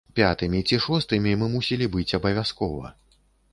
Пятымі ці шостымі мы мусілі быць абавязкова.